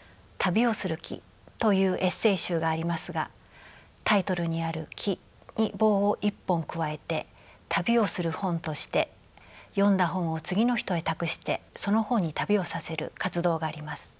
「旅をする木」というエッセー集がありますがタイトルにある「木」に棒を一本加えて「旅をする本」として読んだ本を次の人へ託してその本に旅をさせる活動があります。